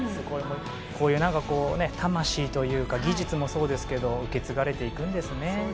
こういう魂というか技術もそうですが受け継がれていくんですね。